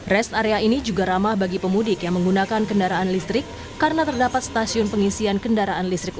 rest area ini juga ramah bagi pemudik yang menggunakan kendaraan listrik karena terdapat stasiun pengisian kendaraan listrik